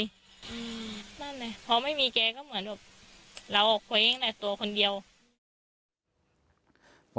พอไม่มีแกก็เหมือนเราออกไว้เองแหละตัวคนเดียว